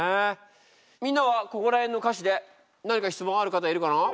みんなはここら辺の歌詞で何か質問ある方いるかな？